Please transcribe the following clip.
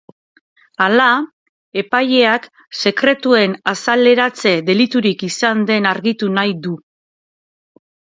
Hala, epaileak sekretuen azaleratze deliturik izan den argitu nahi du.